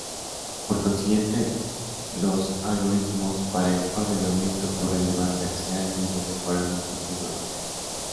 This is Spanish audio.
Por consiguiente, los algoritmos para el ordenamiento por relevancia se han ido mejorando continuamente.